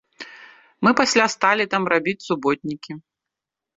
Мы пасля сталі там рабіць суботнікі.